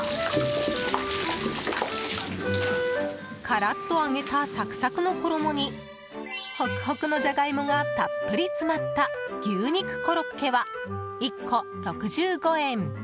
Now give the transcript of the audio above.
カラッと揚げたサクサクの衣にホクホクのジャガイモがたっぷり詰まった牛肉コロッケは１個６５円。